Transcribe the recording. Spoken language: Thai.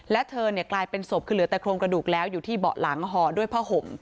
และเธอกลายเป็นศพคือเหลือแต่โครงกระดูกแล้วอยู่ที่เบาะหลังห่อด้วยผ้าห่ม